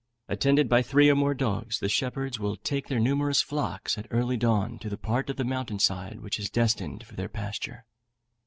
Attended by three or more dogs, the shepherds will take their numerous flocks at early dawn to the part of the mountain side which is destined for their pasture.